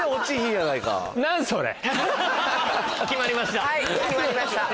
はい決まりました。